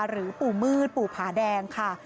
หรือปู่มืดปู่ผาแดงค่ะ